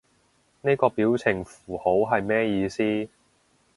呢個表情符號係咩意思？